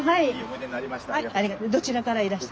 どちらからいらした。